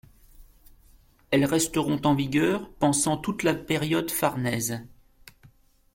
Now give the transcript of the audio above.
Elles resteront en vigueur pensant toute la période farnèse.